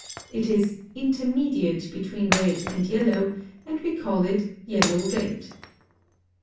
It is intermediate between red and yellow, and we call it YELLOW RED.